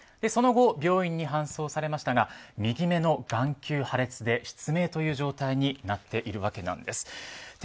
その後、病院に搬送されましたが右目の眼球破裂で失明という状態になっているわけなんです。